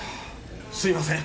すいません。